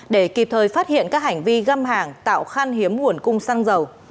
để kịp thời phát hiện các hành vi găm hàng tạo khan hiếm nguồn cung xăng dầu